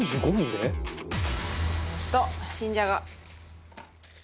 新じゃが。